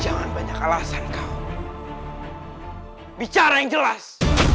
jangan banyak alasan kau bicara yang jelas